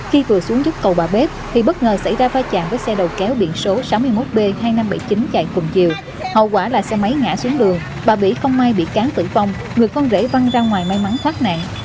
khi vừa xuống giúp cầu bà bếp thì bất ngờ xảy ra va chạm với xe đầu kéo biển số sáu mươi một b hai nghìn năm trăm bảy mươi chín chạy cùng chiều hậu quả là xe máy ngã xuống đường bà bỉ không may bị cán tử vong người con rể văng ra ngoài may mắn thoát nạn